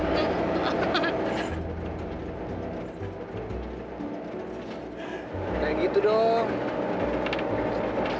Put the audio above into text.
kayak gitu dong